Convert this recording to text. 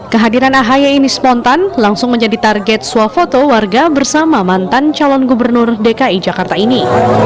kehadiran ahy ini spontan langsung menjadi target swafoto warga bersama mantan calon gubernur dki jakarta ini